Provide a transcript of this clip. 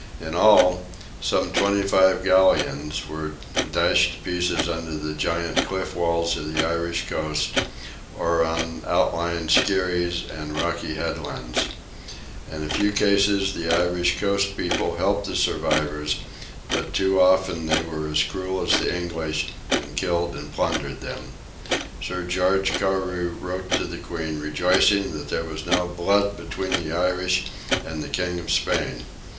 In all, some twenty five galleons were dashed to pieces under the giant cliff walls of the Irish coast, or on outlying skerries and rocky headlands. In a few cases the Irish coast folk helped the survivors, but too often they were as cruel as the English, and killed and plundered them. Sir George Carew wrote to the Queen, rejoicing that there was now "blood between the Irish and the King of Spain."